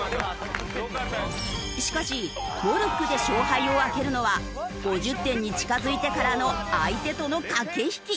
しかしモルックで勝敗を分けるのは５０点に近づいてからの相手との駆け引き。